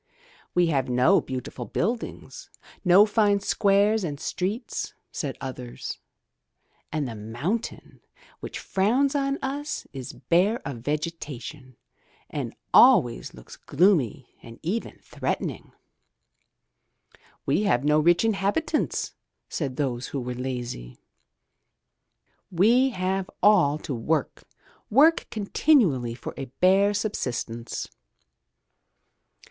'* "We have no beautiful buildings, no fine squares and streets,'* said others, "and the mountain which frowns on us is bare of vegetation and always looks gloomy and even threatening." "We have no rich inhabitants," said those who were lazy. "We have all to work, work continually for a bare subsistence."